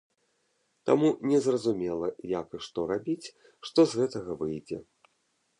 Таму незразумела, як і што рабіць, што з гэтага выйдзе.